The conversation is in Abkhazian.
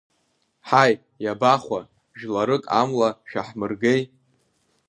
Ҳаи, иабахәа, жәларык амла шәаҳмыргеи…